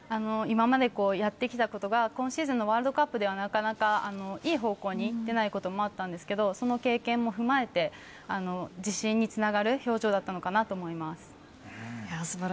今までやってきたことが今シーズンのワールドカップではなかなかいい方向に出ないこともあったんですけどその経験も踏まえて自信につながる表情だったのかなと思います。